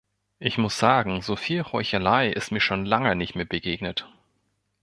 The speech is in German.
Ich muss sagen, soviel Heuchelei ist mir schon lange nicht mehr begegnet.